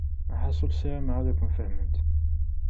Lḥaṣul, ssarameɣ ad ken-fehment.